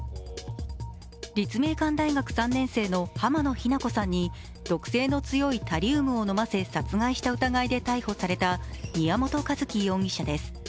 立命館大学３年生の濱野日菜子さんに毒性の強いタリウムを飲ませ殺害した疑いで逮捕された宮本一希容疑者です。